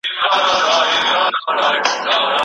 ډاکټره به د لوړ ږغ سره پاڼه ړنګه کړي.